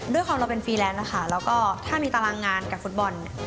ด้วยความเราเป็นฟรีแลนซ์นะคะแล้วก็ถ้ามีตารางงานกับฟุตบอล